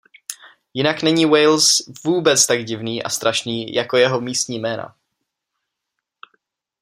Jinak není Wales vůbec tak divný a strašný jako jeho místní jména.